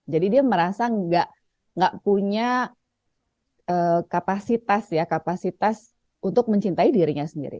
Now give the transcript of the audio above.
jadi dia merasa nggak punya kapasitas untuk mencintai dirinya sendiri